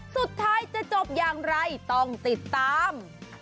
สุดท้ายจะจบอย่างไรต้องติดตาม